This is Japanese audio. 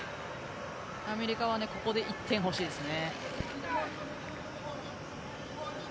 アメリカはここで１点欲しいですね。